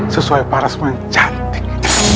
sesuai parasme yang cantik